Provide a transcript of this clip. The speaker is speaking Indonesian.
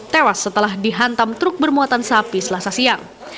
tewas setelah dihantam truk bermuatan sapi selasa siang